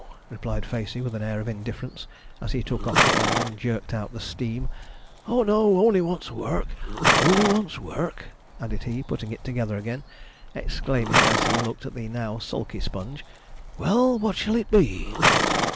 replied Facey, with an air of indifference, as he took off the end and jerked out the steam. 'Oh no only wants work only wants work,' added he, putting it together again, exclaiming, as he looked at the now sulky Sponge, 'Well, what shall it be?'